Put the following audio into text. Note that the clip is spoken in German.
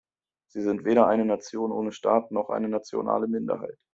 Sie sind weder eine Nation ohne Staat noch eine nationale Minderheit.